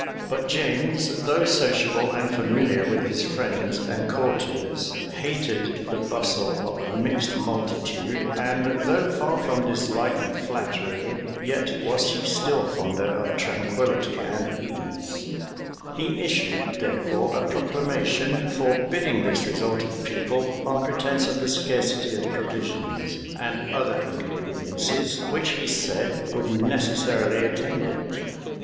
But James, though sociable and familiar with his friends and courtiers, hated the bustle of a mixed multitude; and though far from disliking flattery, yet was he still fonder of tranquillity and ease. He issued, therefore, a proclamation, forbidding this resort of people, on pretence of the scarcity of provisions, and other inconveniencies, which, he said, would necessarily attend it.[*] * Kennet, p. 662.